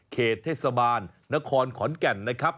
เขตเทศบาลนครขอนแก่นนะครับ